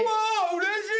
うれしい。